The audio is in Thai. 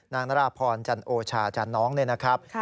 นางนาราพรจันโอชาจันน้องเลยนะครับ